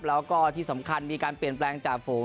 แล้วก็ที่สำคัญมีการเปลี่ยนแปลงจ่าฝูง